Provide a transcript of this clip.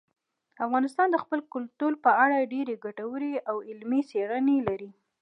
افغانستان د خپل کلتور په اړه ډېرې ګټورې او علمي څېړنې لري.